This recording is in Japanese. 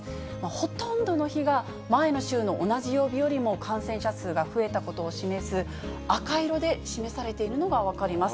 ほとんどの日が前の週の同じ曜日よりも感染者数が増えたことを示す赤色で示されているのが分かります。